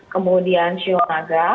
kemudian show naga